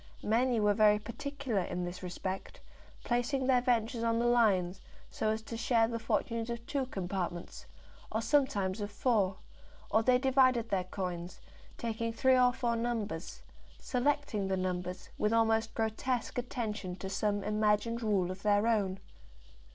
Many were very particular in this respect, placing their ventures on the lines, so as to share the fortunes of two compartments, or sometimes of four; or they divided their coins, taking three or four numbers, selecting the numbers with almost grotesque attention to some imagined rule of their own.